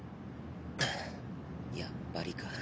ふぅやっぱりか。